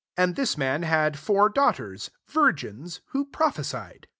9 And this man had four daughters, virgins, who prophesied.